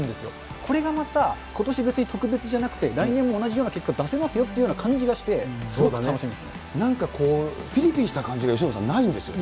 これがまた、ことし別に特別じゃなくて、来年も同じような結果出せますよっていう感じがして、すごく楽しなんかこう、ぴりぴりした感じが由伸さん、ないんですよね。